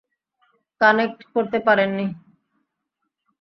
Connect করতে পারেনি।